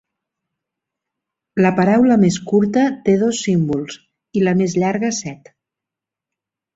La paraula més curta té dos símbols, i la més llarga set.